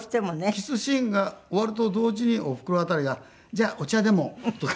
キスシーンが終わると同時におふくろあたりが「じゃあお茶でも」とか。